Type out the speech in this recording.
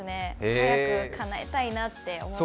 早くかなえたいなって思います。